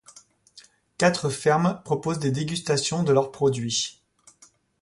Quatre fermes proposent des dégustations de leurs produits.